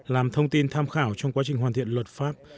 làm thông tin tham khảo trong quá trình hoàn thiện luật pháp